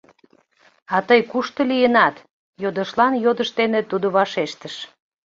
— А тый кушто лийынат? — йодышлан йодыш дене тудо вашештыш.